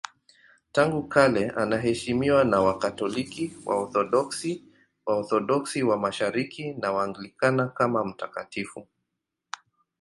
Tangu kale anaheshimiwa na Wakatoliki, Waorthodoksi, Waorthodoksi wa Mashariki na Waanglikana kama mtakatifu.